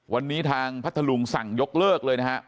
วันนี้ทางพัทธลุงสั่งยกเลิกเลยนะฮะ